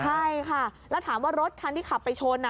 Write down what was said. ใช่ค่ะแล้วถามว่ารถคันที่ขับไปชน